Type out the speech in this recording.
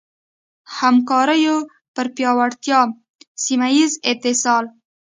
همکاریو پر پیاوړتیا ، سيمهييز اتصال